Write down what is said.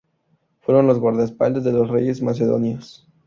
Fueron los guardaespaldas de los reyes macedonios.